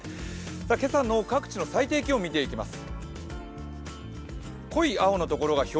今朝の各地の最低気温を見ていきます。